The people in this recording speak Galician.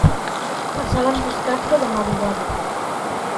Pasaban das catro da madrugada.